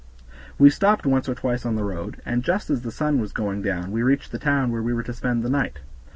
We stopped once or twice on the road, and just as the sun was going down we reached the town where we were to spend the night.